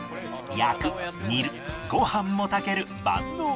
焼く煮るご飯も炊ける万能調理器具